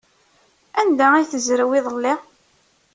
Anda ay tezrew iḍelli?